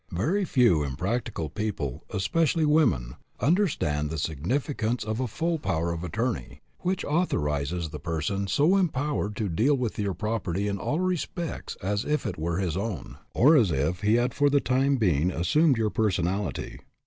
Very few impractical people, especially women, understand the significance of a full power of attorney, which authorizes the person so empowered to deal with your property in all respects as if it were his own, 184 HAD MONEY BUT LOST IT or as if he had for the time being assumed your personality.